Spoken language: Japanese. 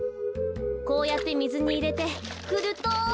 こうやってみずにいれてふると。